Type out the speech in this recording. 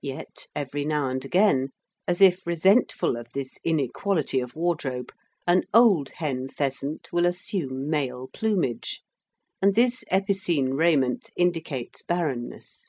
Yet every now and again, as if resentful of this inequality of wardrobe, an old hen pheasant will assume male plumage, and this epicene raiment indicates barrenness.